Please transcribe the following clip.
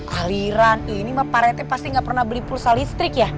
haliran ini mah pak reti pasti gak pernah beli pulsa listrik ya